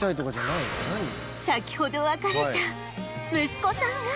先ほど別れた息子さんが！